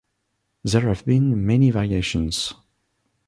There have been many variations.